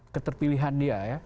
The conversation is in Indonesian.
keterpilihan dia ya